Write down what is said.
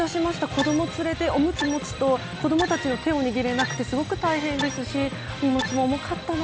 子ども連れておむつ持つと子どもたちの手を握れなくてすごく大変ですし荷物も重かったな。